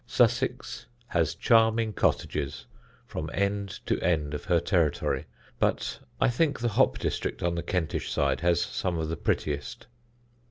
Sussex has charming cottages from end to end of her territory, but I think the hop district on the Kentish side has some of the prettiest.